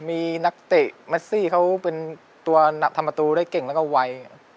มีนักเตะแมสซี่เขาเป็นตัวทำประตูได้เก่งแล้วก็ไว